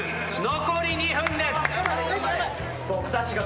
残り２分です。